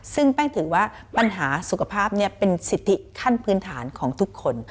ซึ่งแป้งถือว่าปัญหาสุขภาพเป็นสิทธิขั้นพื้นฐานของทุกคน